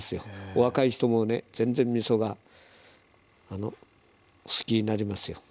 お若い人もね全然みそが好きになりますよ。